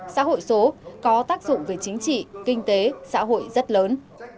xã hội số có tác dụng về chính trị kinh tế xã hội rất lớn